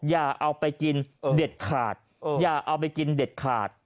อย่าเอาไปกินเด็ดขาดอย่าเอาไปกินเด็ดขาด